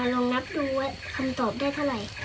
ลองนับดูว่าคำตอบได้เท่าไหร่